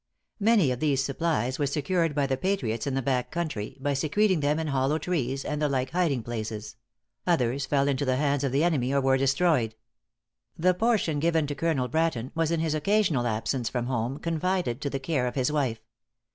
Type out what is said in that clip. Many of these supplies were secured by the patriots in the back country, by secreting them in hollow trees and the like hiding places; others fell into the hands of the enemy or were destroyed. The portion given to Colonel Bratton was in his occasional absence from home confided to the care of his wife.